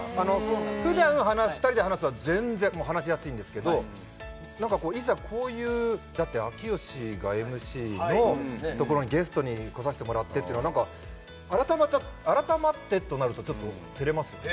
普段２人で話すのは全然話しやすいんですけど何かこういざこういうだって明慶がＭＣのところにゲストに来させてもらってっていうのは何か改まってとなるとちょっと照れますよね